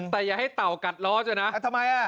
แต่อย่าให้เต่ากัดล้อเถอะนะทำไมอ่ะ